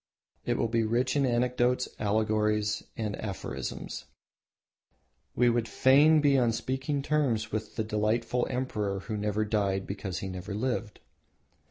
It will be rich in anecdotes, allegories, and aphorisms. We would fain be on speaking terms with the delightful emperor who never died because he had never lived.